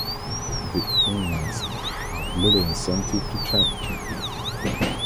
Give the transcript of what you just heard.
The ins have little incentive to change.